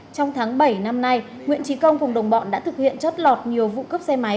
trong tháng bảy năm nay nguyễn trí công cùng đồng bọn đã thực hiện chót lọt nhiều vụ cướp xe máy